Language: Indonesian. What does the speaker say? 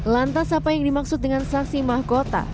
lantas apa yang dimaksud dengan saksi mahkota